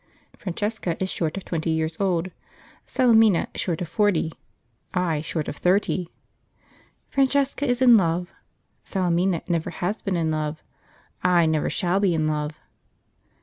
Francesca is short of twenty years old, Salemina short of forty, I short of thirty. Francesca is in love, Salemina never has been in love, I never shall be in love.